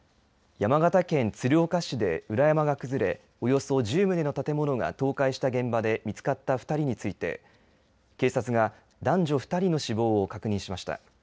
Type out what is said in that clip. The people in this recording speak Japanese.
山形県鶴岡市で裏山が崩れ、およそ１０棟の建物が倒壊した現場で見つかった２人について、警察が男女２人の死亡を確認しました。